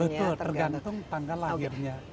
betul tergantung tanggal lahirnya